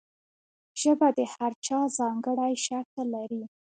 ژبه د هر چا ځانګړی شکل لري.